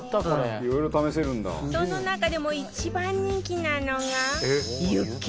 その中でも一番人気なのが